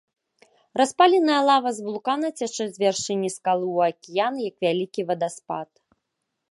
Распаленая лава з вулкана цячэ з вяршыні скалы ў акіян, як вялікі вадаспад.